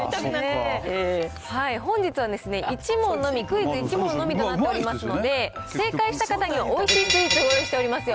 本日はですね、１問のみ、クイズ、１問のみとなっていますので、正解した方には、おいしいスイーツご用意しておりますよ。